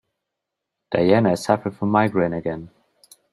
Diana is suffering from migraine again.